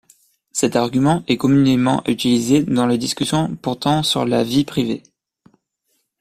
Cet argument est communément utilisé dans les discussions portant sur la vie privée.